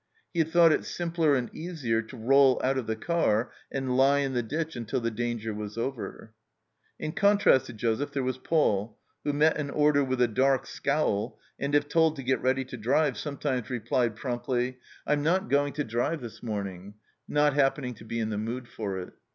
He had thought it simpler and easier to roll out of the car and lie in the ditch until the danger was over ! In contrast to Joseph there was Paul, who met an order with a dark scowl, and if told to get ready to drive, sometimes replied promptly, " I'm not going 238 THE CELLAR HOUSE OF PERVYSE to drive this morning," not happening to be in the mood for it.